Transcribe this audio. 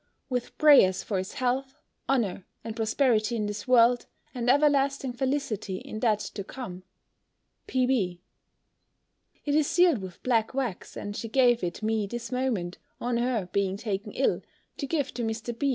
with prayers for his health, honour, and prosperity in this world, and everlasting felicity in that to come. P.B." It is sealed with black wax, and she gave it me this moment, on her being taken ill, to give to Mr. B.